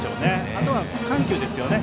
あとは緩急ですよね。